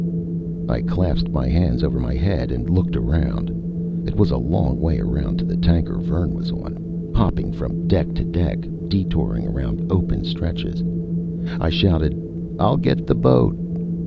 I clasped my hands over my head and looked around. It was a long way around to the tanker Vern was on, hopping from deck to deck, detouring around open stretches. I shouted: "I'll get the boat!"